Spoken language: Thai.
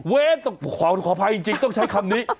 ต้องขออภัยจริงต้องใช้คำนี้